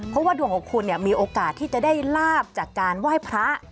เพราะว่าดวงของคุณมีโอกาสที่จะได้ลาบจากการไหว้พระ